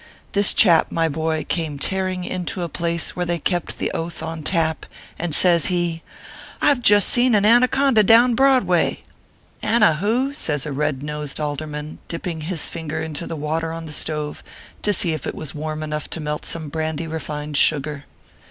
This chap, my boy, came tearing into a place where they kept the Oath on tap, and says he :" I ve just seen an anaconda down Broadway." 206 ORPHEUS C. K.EHR PAPERS. " Anna who ?" says a red nosed Alderman, dipping his finger into the water on the stove to see if it was warm enough to melt some brandy refined sugar.